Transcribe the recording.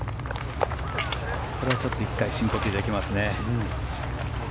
これは１回深呼吸できますね。